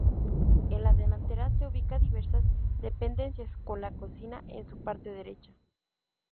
En la delantera se ubican diversas dependencias, con la cocina en su parte derecha.